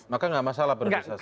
maka nggak masalah priorisasi